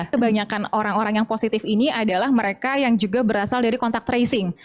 kebanyakan orang orang yang positif ini adalah mereka yang juga berasal dari kontak tracing